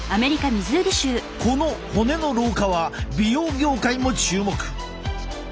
この骨の老化は美容業界も注目。